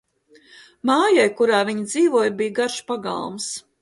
Mājai, kurā viņi dzīvoja, bija garš pagalms.